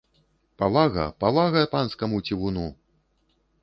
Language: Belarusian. Павага, павага панскаму цівуну!